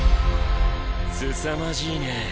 すさまじいね。